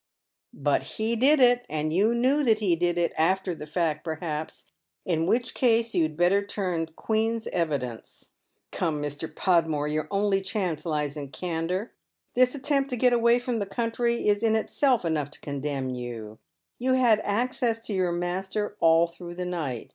" But he did it, and you knew that he did it, — after the fact, perhaps, in which case you'd better turn Queen's evidence. Come, Mr. Podmore, your only chance lies in candour. Tliia attempt to get away from the country is in itself enoiigli to con rlemn you. You had access to your master all through the night.